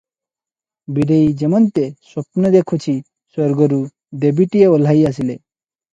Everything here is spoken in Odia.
ବୀରେଇ ଯେମନ୍ତ ସ୍ୱପ୍ନ ଦେଖୁଛି ସ୍ୱର୍ଗରୁ ଦେବୀଟିଏ ଓହ୍ଲାଇ ଆସିଲେ ।